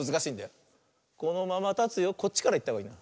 こっちからいったほうがいい。